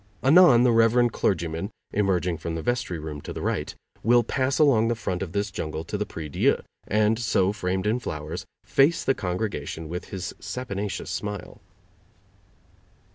Anon the rev. clergyman, emerging from the vestry room to the right, will pass along the front of this jungle to the prie dieu, and so, framed in flowers, face the congregation with his saponaceous smile.